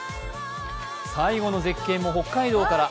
最後の絶景も北海道から。